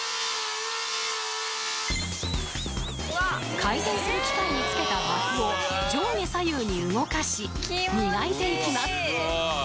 回転する機械につけたバフを上下左右に動かし磨いていきます